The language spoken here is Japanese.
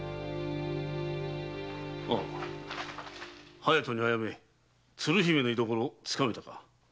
ああ隼人にあやめ鶴姫の居どころ掴めたか？